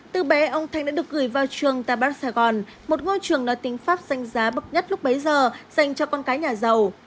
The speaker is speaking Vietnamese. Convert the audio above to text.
từ bé ông thanh đã được gửi vào trường tabar saigon một ngôi trường nói tính pháp danh giá bậc nhất lúc bấy giờ dành cho con cái nhà giàu